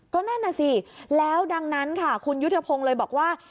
ก็นั่นน่ะสิแล้วดังนั้นค่ะคุณยุทธพงศ์เลยบอกว่า